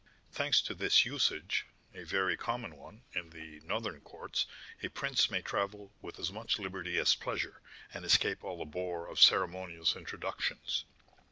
Thanks to this usage (a very common one in the Northern courts), a prince may travel with as much liberty as pleasure, and escape all the bore of ceremonious introductions.